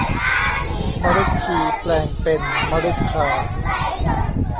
มฤคีแปลงเป็นมฤคา